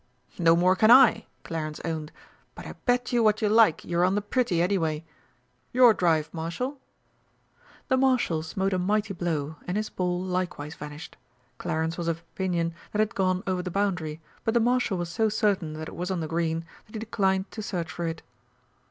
"No more can I," Clarence owned, "but I bet you what you like you're on the pretty, anyway. Your drive, Marshal." The Marshal smote a mighty blow, and his ball likewise vanished. Clarence was of opinion that it had gone over the boundary, but the Marshal was so certain that it was on the green that he declined to search for it.